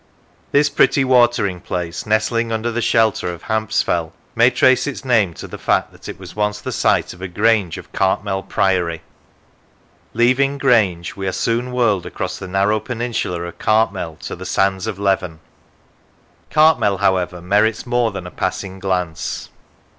This pretty watering place nestling under the shelter of Hampsfell, may 163 Lancashire trace its name to the fact that it was once the site of a grange of Cartmel Priory. Leaving Grange, we are soon whirled across the narrow peninsula of Cartmel to the sands of Leven. Cartmel, however, merits more than a passing glance.